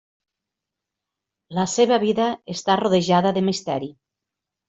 La seva vida està rodejada de misteri.